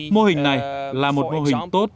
mô hình này là một mô hình tốt